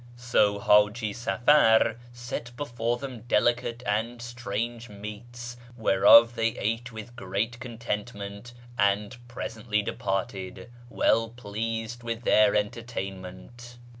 So Haji |afar set before them delicate and strange meats, whereof they |te with great contentment, and presently departed, well |leased with their entertainment.